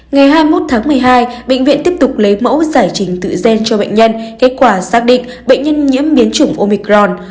ngày hai mươi một tháng một mươi hai bệnh viện tiếp tục lấy mẫu giải trình tự gen cho bệnh nhân kết quả xác định bệnh nhân nhiễm biến chủng omicron